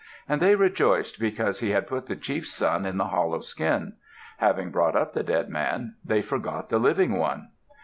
And they rejoiced because he had put the chief's son in the hollow skin. Having brought up the dead man they forgot the living one.